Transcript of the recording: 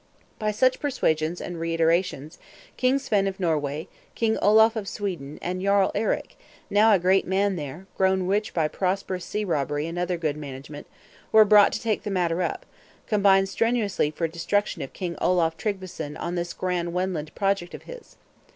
By such persuasions and reiterations, King Svein of Denmark, King Olaf of Sweden, and Jarl Eric, now a great man there, grown rich by prosperous sea robbery and other good management, were brought to take the matter up, and combine strenuously for destruction of King Olaf Tryggveson on this grand Wendland expedition of his.